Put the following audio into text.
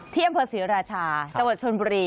ที่อำเภอศรีราชาจังหวัดชนบุรี